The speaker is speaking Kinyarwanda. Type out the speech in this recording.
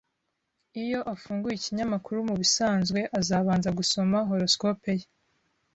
Iyo afunguye ikinyamakuru, mubisanzwe azabanza gusoma horoscope ye